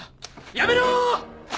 やめろ！